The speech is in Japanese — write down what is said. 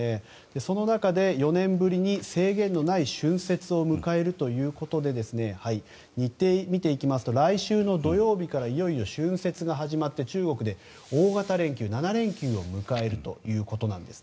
その中で、４年ぶりに制限のない春節を迎えるということで日程を見ていきますと来週の土曜日からいよいよ春節が始まって中国で大型連休７連休を迎えるということなんです。